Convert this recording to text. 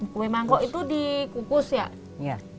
kue mangkok itu dikukus ya